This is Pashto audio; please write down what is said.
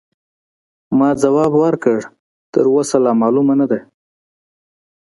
ما ځواب ورکړ: تراوسه لا معلومه نه ده.